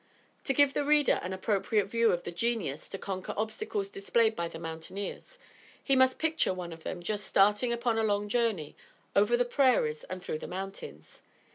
To give the reader an appropriate view of the genius to conquer obstacles displayed by the mountaineers, he must picture one of them just starting upon a long journey over the prairies and through the mountains.